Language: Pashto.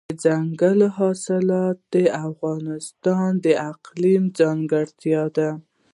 دځنګل حاصلات د افغانستان د اقلیم ځانګړتیا ده.